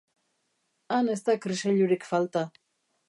Han ez da kriseilurik falta.